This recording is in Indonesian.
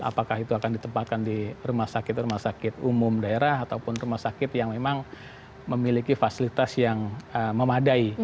apakah itu akan ditempatkan di rumah sakit rumah sakit umum daerah ataupun rumah sakit yang memang memiliki fasilitas yang memadai